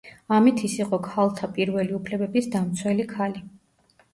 ამით ის იყო ქალთა პირველი უფლებების დამცველი ქალი.